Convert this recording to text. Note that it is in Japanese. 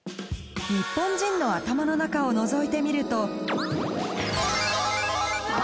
ニッポン人の頭の中をのぞいてみるとあ！